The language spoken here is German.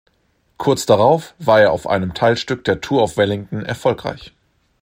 Kurz darauf war er auf einem Teilstück der Tour of Wellington erfolgreich.